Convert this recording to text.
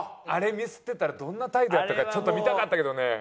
あれミスってたらどんな態度やったかちょっと見たかったけどね。